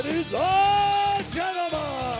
มีความรู้สึกว่า